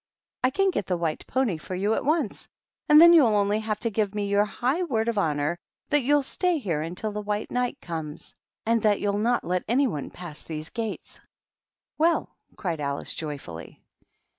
I can get the wuit [)()ny for you at once, and then you'll only ha^ t^) giv(^ mo your high word of honor that you' Ht4iy lioro until tlie White Knight comes, and thj you'll not lot anybody pass these gates." WollI" cried Alice, joyfully.